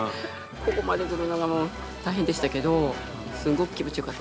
ここまで来るのがもう大変でしたけどすごく気持ちよかったですね。